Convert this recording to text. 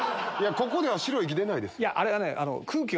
ここでは白い息出ないです。